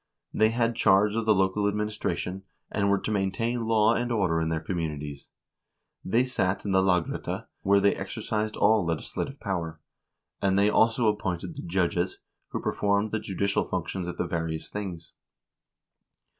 They had charge of the local administration, and were to maintain law and order in their communities ; they sat in the lagrette, where they exercised all legislative power, and they also appointed the judges, who performed the judicial functions at the various things.